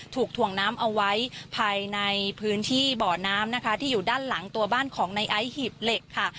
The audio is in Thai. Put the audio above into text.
ถ่วงน้ำเอาไว้ภายในพื้นที่บ่อน้ำนะคะที่อยู่ด้านหลังตัวบ้านของในไอซ์หีบเหล็กค่ะ